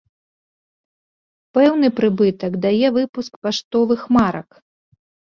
Пэўны прыбытак дае выпуск паштовых марак.